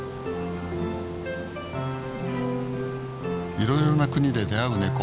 いろいろな国で出会うネコ